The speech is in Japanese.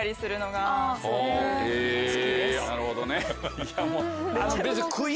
なるほどね。